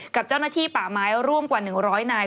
กับเจ้าหน้าที่ป่าไม้ร่วมกว่า๑๐๐นาย